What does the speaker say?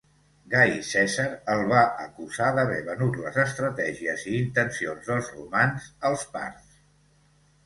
Gai Cèsar el va acusar d'haver venut les estratègies i intencions dels romans als parts.